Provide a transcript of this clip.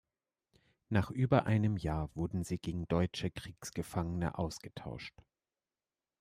Nach über einem Jahr wurden sie gegen deutsche Kriegsgefangene ausgetauscht.